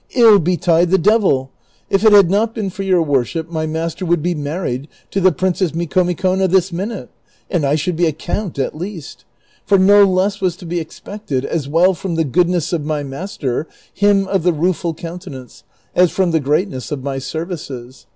Ill be tide the devil ! if it had not been for your worship my master would be married to the Princess Micomicona this minute, and I should be a count at least ; for no less was to be expected, as well from the goodness of my master, him of the Rueful Countenance, as from the greatness of my services.